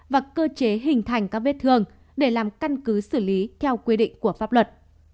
và cơ chế hình thành các vết thương để làm căn cứ xử lý theo quy định của pháp luật